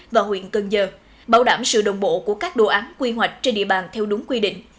và huyện cần giờ bảo đảm sự đồng bộ của các đồ án quy hoạch trên địa bàn theo đúng quy định